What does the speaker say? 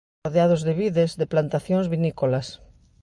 Rodeados de vides, de plantacións vinícolas.